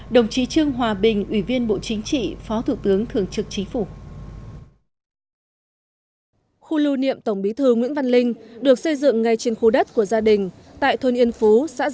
đồng chí trương hòa bình ủy viên bộ chính trị phó thủ tướng thường trực chính phủ